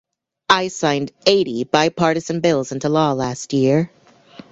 I signed eighty bipartisan bills into law last year.